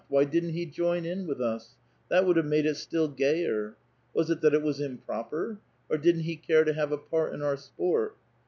Why didn't he join in with us ? That would have made it still gayer. Was it that it was improper, or didn't he care to take a part in our sport?